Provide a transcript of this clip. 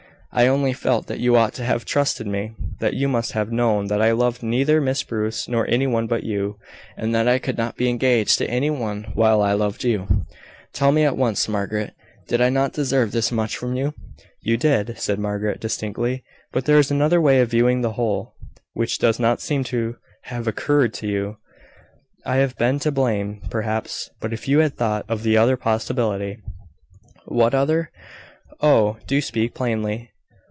"I only felt that you ought to have trusted me that you must have known that I loved neither Miss Bruce, nor any one but you; and that I could not be engaged to any one while I loved you. Tell me at once, Margaret did I not deserve this much from you?" "You did," said Margaret, distinctly. "But there is another way of viewing the whole, which does not seem to have occurred to you. I have been to blame, perhaps; but if you had thought of the other possibility " "What other? Oh! do speak plainly."